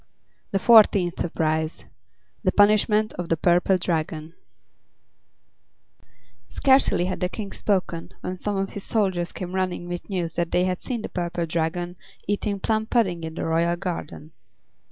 The Fourteenth Surprise THE PUNISHMENT OF THE PURPLE DRAGON Scarcely had the King spoken when some of his soldiers came running with news that they had seen the Purple Dragon eating plum pudding in the royal garden.